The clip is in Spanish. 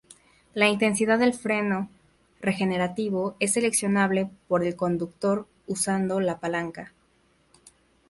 La intensidad del freno regenerativo es seleccionable por el conductor usando la palanca.